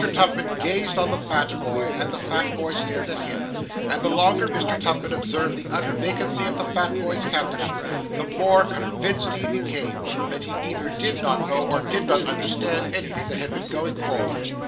Tupman gazed on the fat boy, and the fat boy stared at him; and the longer Mr. Tupman observed the utter vacancy of the fat boy's countenance, the more convinced he became that he either did not know, or did not understand, anything that had been going forward.